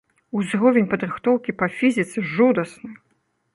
Узровень падрыхтоўкі па фізіцы жудасны.